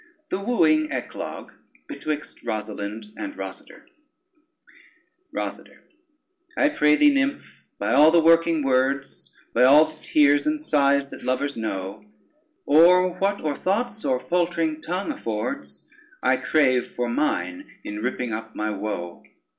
] The wooing Eclogue betwixt Rosalynde and Rosader ROSADER I pray thee, nymph, by all the working words, By all the tears and sighs that lovers know, Or what or thoughts or faltering tongue affords, I crave for mine in ripping up my woe.